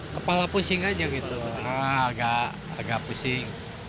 kepala pusing aja gitu agak pusing